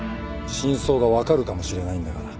真相が分かるかもしれないんだから。